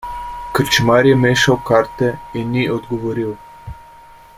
Krčmar je mešal karte in ni odgovoril.